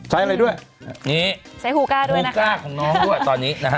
ใช้อะไรด้วยนี่ใช้ฮูก้าด้วยนะฮะกล้าของน้องด้วยตอนนี้นะฮะ